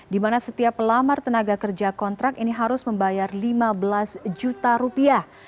di mana setiap pelamar tenaga kerja kontrak ini harus membayar lima belas juta rupiah